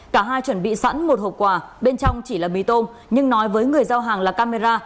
cả hai chuẩn bị sẵn một hộp quà bên trong chỉ là mì tôm nhưng nói với người giao hàng là camera